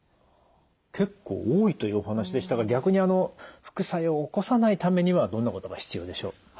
結構多いというお話でしたが逆にあの副作用を起こさないためにはどんなことが必要でしょう？